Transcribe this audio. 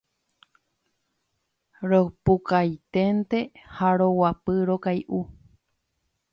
Ropukainténte ha roguapy rokay'u.